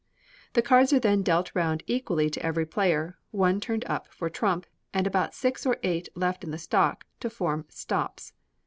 The cards are then dealt round equally to every player, one turned up for trump, and about six or eight left in the stock to form stops.